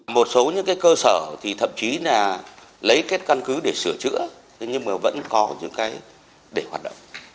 một số những cơ sở thậm chí là lấy các căn cứ để sửa chữa nhưng mà vẫn còn những cái để hoạt động